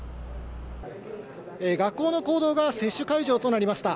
学校の講堂が接種会場となりました。